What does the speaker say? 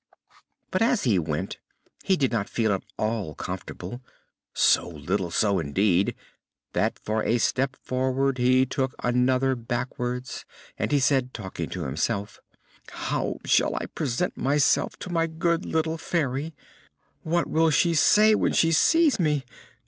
But as he went he did not feel at all comfortable so little so, indeed, that for a step forward he took another backwards, and he said, talking to himself: "How shall I ever present myself to my good little Fairy? What will she say when she sees me?